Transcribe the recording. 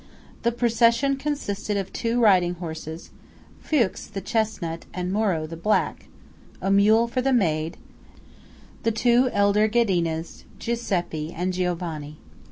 The procession consisted of two riding horses (Fuchs, the chesnut, and Moro, the black), a mule for the maid, the two elder Ghedinas, Giuseppe, and Giovanni.